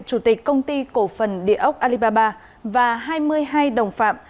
chủ tịch công ty cổ phần địa ốc alibaba và hai mươi hai đồng phạm